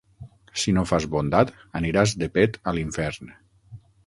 Si no fas bondat, aniràs de pet a l'infern.